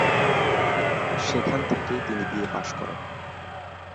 সেখান থেকেই তিনি বিএ পাশ করেন।